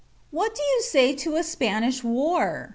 What do you say to a Spanish war?